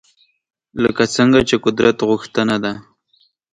لکه څنګه چې قدرت غوښتنه ده